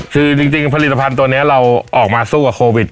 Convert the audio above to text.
คือจริงผลิตภัณฑ์ตัวนี้เราออกมาสู้กับโควิด